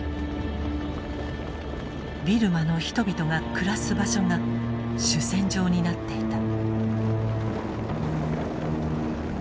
ビルマの人々が暮らす場所が主戦場になっていた。